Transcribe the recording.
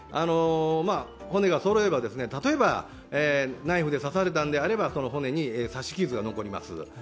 骨がそろえば、例えばナイフで刺されたんであればその骨に刺し傷が残ります。